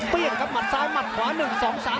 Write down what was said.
เปี้ยงกับมัตรซ้ายมัตรขวา